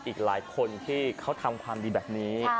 อีกหลายคนที่เขาทำความดีแบบนี้